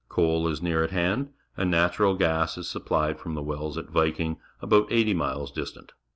Coal is near at hand, and natural gas is supplied from the wells at Viking, about eighty miles distant.